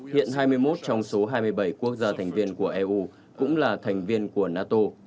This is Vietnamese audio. hiện hai mươi một trong số hai mươi bảy quốc gia thành viên của eu cũng là thành viên của nato